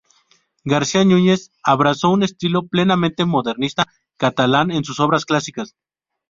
García Núñez abrazó un estilo plenamente modernista catalán en sus obras clásicas.